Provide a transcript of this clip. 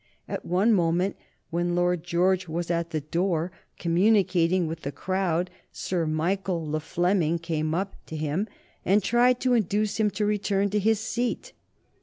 At one moment, when Lord George was at the door communicating with the crowd, Sir Michael le Fleming came up to him and tried to induce him to return to his seat.